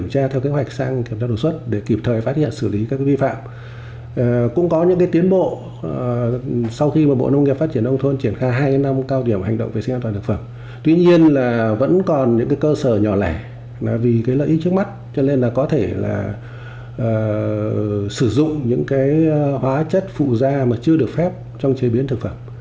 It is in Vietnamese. cơ sở nhỏ lẻ là vì cái lợi ích trước mắt cho nên là có thể là sử dụng những cái hóa chất phụ ra mà chưa được phép trong chế biến thực phẩm